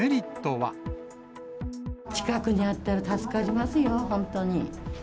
近くにあったら助かりますよ、本当に。